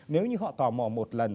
nếu như họ tò mò một lần